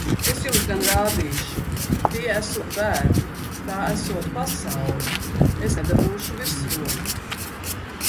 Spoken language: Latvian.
Es jums gan rādīšu! Tie esot bērni! Tā esot pasaule! Es nedabūšu virsroku!